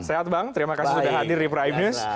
sehat bang terima kasih sudah hadir di prime news